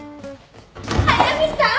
速見さん